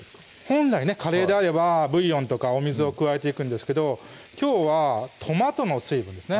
本来ねカレーであればブイヨンとかお水を加えていくんですけどきょうはトマトの水分ですね